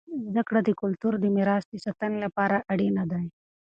زده کړه د کلتور د میراث د ساتنې لپاره اړینه دی.